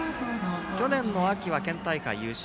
去年の秋は県大会優勝。